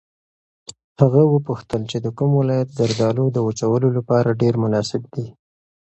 هغه وپوښتل چې د کوم ولایت زردالو د وچولو لپاره ډېر مناسب دي.